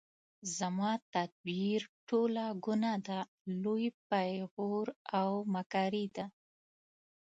زما تدبیر ټوله ګناه ده لوی پیغور او مکاري ده